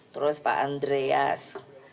terus pak andreas